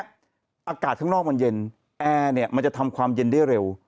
อากาศข้างนอกมันเย็นแอร์เนี่ยมันจะทำความเย็นได้เร็ว